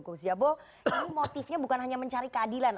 gus jabo ini motifnya bukan hanya mencari keadilan